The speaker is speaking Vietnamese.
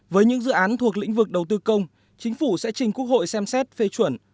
với những dự án thuộc lĩnh vực đầu tư công chính phủ sẽ trình quốc hội xem xét phê chuẩn